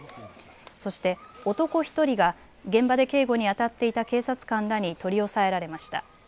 そして男１人が現場で警護にあたっていた警察官らに取り押さえられました。